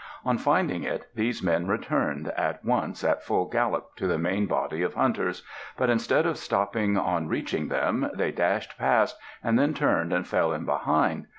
On finding it, these men returned at once at full gallop to the main body of hunters, but instead of stopping on reaching them, they dashed past and then turned and fell in behind.